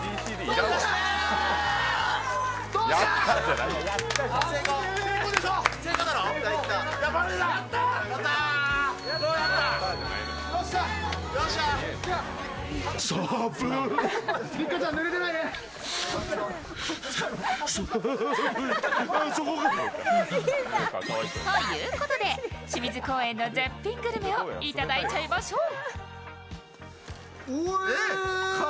よっしゃー！ということで、清水公園の絶品グルメを頂いちゃいましょう。